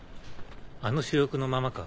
あの主翼のままか。